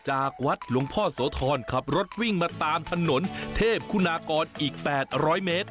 จากวัดหลวงพ่อโสธรขับรถวิ่งมาตามถนนเทพคุณากรอีก๘๐๐เมตร